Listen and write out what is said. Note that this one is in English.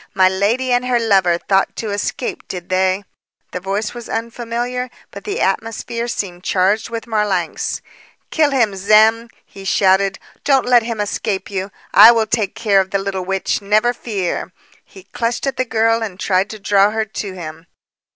My lady and her lover thought to escape, did they!" The voice was unfamiliar, but the atmosphere seemed charged with Marlanx. "Kill him, Zem!" he shouted. "Don't let him escape you! I will take care of the little witch, never fear!" He clutched at the girl and tried to draw her to him.